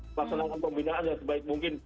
melaksanakan pembinaan yang sebaik mungkin